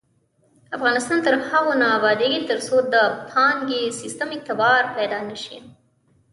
افغانستان تر هغو نه ابادیږي، ترڅو د بانکي سیستم اعتبار پیدا نشي.